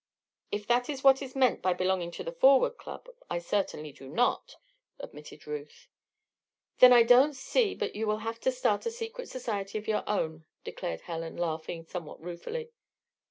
"If that is what is meant by belonging to the Forward Club, I certainly do not," admitted Ruth. "Then I don't see but you will have to start a secret society of your own," declared Helen, laughing somewhat ruefully.